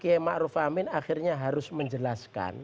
karena qiem ma'ruf amin akhirnya harus menjelaskan